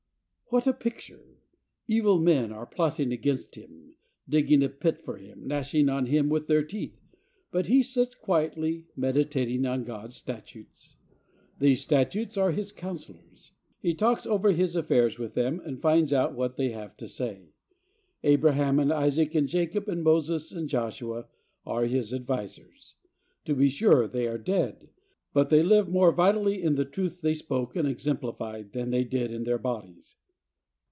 What a picture! Evil men are plotting against him, digging a pit for him, gnashing on him with their teeth, but he sits quietly meditating on God's statutes. These statutes are his counsellors. He talks over his affairs with them and finds out what they have to say. Abraham and Isaac and Jacob and Moses and Joshua are his advisers. To be sure they are dead, but they live more vitally in the truths they spoke and exemplified than they did in their bodies.